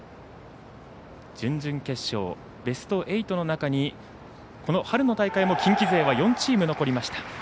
準々決勝、ベスト８の中に春の大会も近畿勢４チーム残りました。